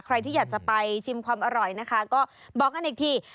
ใครที่อยากจะไปชิมความอร่อยนะคะก็บอกกันอีกที